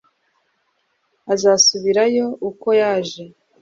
azasubirayo uko yaje